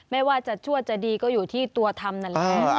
ไม่ว่าจะชั่วจะดีก็อยู่ที่ตัวทำนั่นแหละ